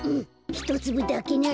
ひとつぶだけなら。